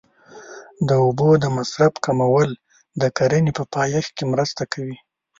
د اوبو د مصرف کمول د کرنې په پایښت کې مرسته کوي.